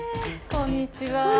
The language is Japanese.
こんにちは。